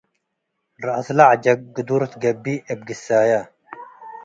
ረአስለ ዐጀግ ግዱር ትገብእ እብ ግሳየ